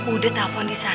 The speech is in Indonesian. udah telepon di sana